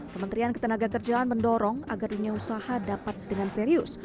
kementerian ketenaga kerjaan mendorong agar dunia usaha dapat dengan serius